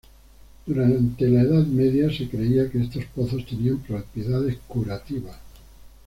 Durante la Edad Media, se creía que estos pozos tenían propiedades curativas.